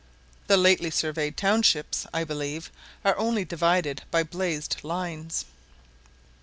The lately surveyed townships, I believe, are only divided by blazed lines.